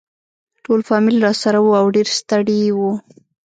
ټول فامیل راسره وو او ډېر ستړي وو.